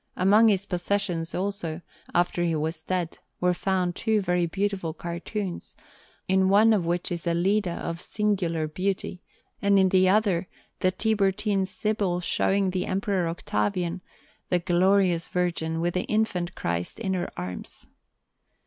Among his possessions, also, after he was dead, were found two very beautiful cartoons, in one of which is a Leda of singular beauty, and in the other the Tiburtine Sibyl showing to the Emperor Octavian the Glorious Virgin with the Infant Christ in her arms.